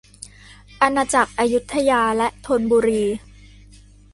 อาณาจักรอยุธยาและธนบุรี